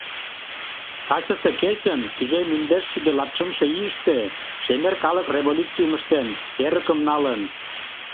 Тачысе кечын тӱжем индешшӱдӧ латшымше ийыште шемер калык революцийым ыштен, эрыкым налын.